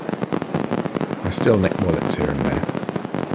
I still nick wallets here and there